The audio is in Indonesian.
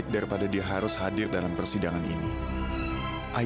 sampai jumpa di video selanjutnya